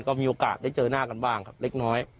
ก็มีโอกาสได้เจอหน้ากันบ้างครับเล็กน้อย